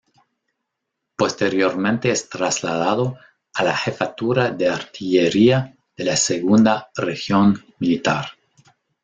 Posteriormente es trasladado a la Jefatura de Artillería de la Segunda Región Militar.